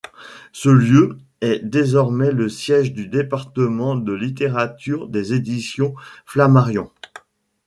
Ce lieu est désormais le siège du département de littérature des éditions Flammarion.